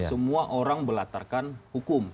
semua orang berlatarkan hukum